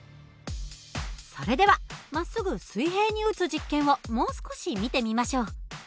それではまっすぐ水平に撃つ実験をもう少し見てみましょう。